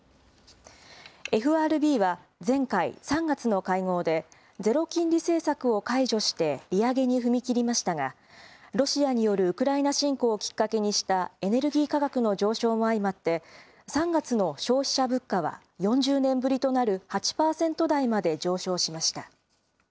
ＦＲＢは前回、３月の会合でゼロ金利政策を解除して利上げに踏み切りましたがロシアによるウクライナ侵攻をきっかけにしたエネルギー価格の上昇も相まって３月の消費者物価は４０年ぶりとなる８％台まで上昇しました。